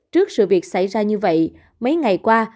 trước sự việc xảy ra như vậy mấy ngày qua